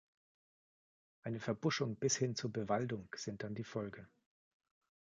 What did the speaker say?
Eine Verbuschung bis hin zur Bewaldung sind dann die Folge.